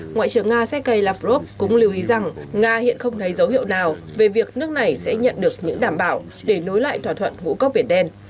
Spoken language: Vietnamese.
ngoại trưởng nga sergei lavrov cũng lưu ý rằng nga hiện không thấy dấu hiệu nào về việc nước này sẽ nhận được những đảm bảo để nối lại thỏa thuận ngũ cốc biển đen